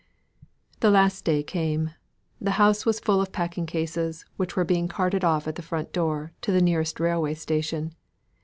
The last day came; the house was full of packing cases, which were being carted off at the front door, to the nearest railway station.